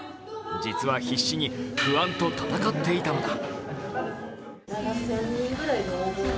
実は必死に不安と闘っていたのだ。